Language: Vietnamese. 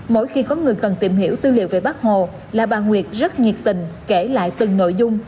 mỗi khi có người cần tìm hiểu tư liệu về bác hồ là bà nguyệt rất nhiệt tình kể lại từng nội dung